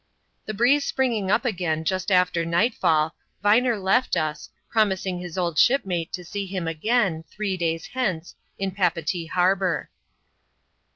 The breeze springing up again just after nightfall, Viner left us, promising his old shipmate to see him again, three days henoe^ in Papeetee harbour.